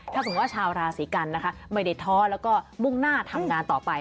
ถ้าสมมุติว่าชาวราศีกันนะคะไม่ได้ท้อแล้วก็มุ่งหน้าทำงานต่อไป